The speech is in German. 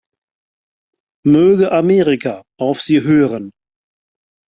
Möge Amerika auf sie hören!